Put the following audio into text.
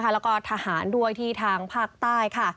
แล้วก็ทหารด้วยที่ทางภาคใต้ค่ะ